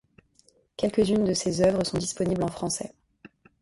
Quelques-unes de ses œuvres sont disponibles en français.